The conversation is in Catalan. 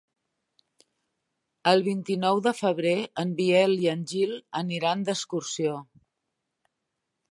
El vint-i-nou de febrer en Biel i en Gil aniran d'excursió.